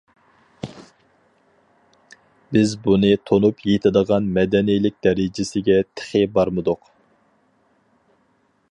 بىز بۇنى تونۇپ يېتىدىغان مەدەنىيلىك دەرىجىسىگە تېخى بارمىدۇق.